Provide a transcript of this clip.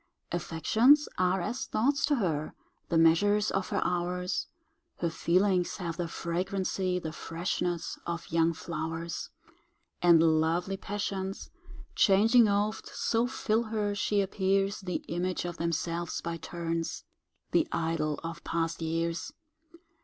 Affections are as thoughts to her, The measures of her hours; Her feelings have the flagrancy, The freshness of young flowers; And lovely passions, changing oft, So fill her, she appears The image of themselves by turns,— The idol of past years!